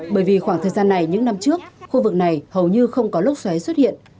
bởi vì khoảng thời gian này những năm trước khu vực này hầu như không có lốc xoáy xuất hiện